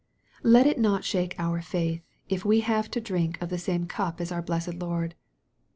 Let it not shake our faith, if we have to drink of the same cup as our blessed Lord.